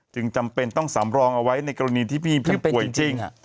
จำเป็นต้องสำรองเอาไว้ในกรณีที่พี่ป่วยจริง